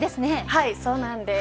はい、そうなんです。